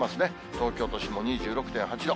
東京都心も２６．８度。